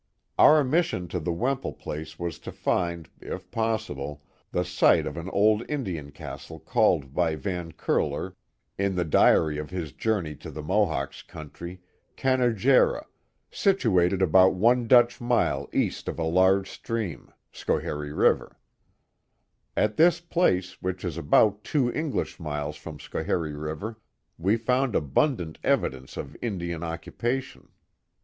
304 The Mohawk Valley Our mission to the Wemple place was to find, if possible, the site of an old Indian castle called by Van Curler, in the diary of his journey to the Mohawks' countrj , Canagera, situ ated about one Dutch mile east of a large stream (Schoharie River). At this place, which is about two English miles from Schoharie River, we found abundant evidence of Indian oc cupation.